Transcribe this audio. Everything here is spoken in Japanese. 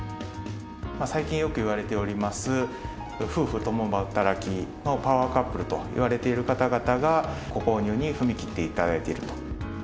最近よくいわれております、夫婦共働きのパワーカップルといわれている方々が、ご購入に踏み切っていただいていると。